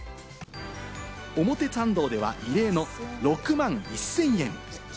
表参道では異例の６万１０００円。